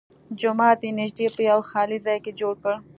جومات یې نږدې په یوه خالي ځای کې جوړ کړ.